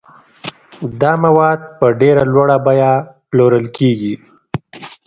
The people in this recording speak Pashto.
دا مواد په ډېره لوړه بیه پلورل کیږي.